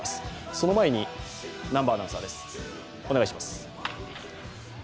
その前に南波アナウンサーです、お願いします。